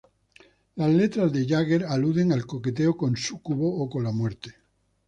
Las letras de Jagger aluden al coqueteo con Súcubo o con la muerte.